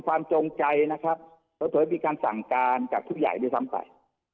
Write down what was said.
ก็หยับมีการสั่งการกับทุกอย่ายด้วยจำไว้